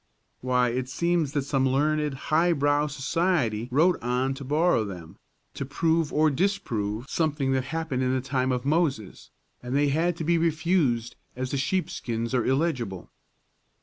"Why, it seems that some learned high brow society wrote on to borrow them, to prove or disprove something that happened in the time of Moses, and they had to be refused as the sheepskins are illegible.